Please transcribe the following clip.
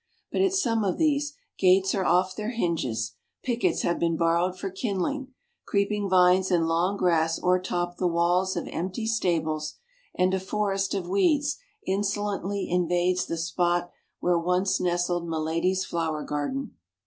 But at some of these, gates are off their hinges, pickets have been borrowed for kindling, creeping vines and long grass o'ertop the walls of empty stables, and a forest of weeds insolently invades the spot where once nestled milady's flower garden.